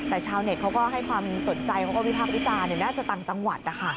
แต่ชาวเน็ตเขาก็ให้ความสนใจเขาก็วิพากษ์วิจารณ์น่าจะต่างจังหวัดนะคะ